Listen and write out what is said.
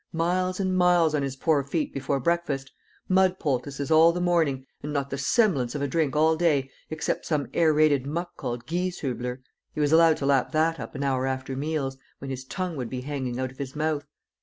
Miles and miles on his poor feet before breakfast; mud poultices all the morning; and not the semblance of a drink all day, except some aerated muck called Gieshübler. He was allowed to lap that up an hour after meals, when his tongue would be hanging out of his mouth.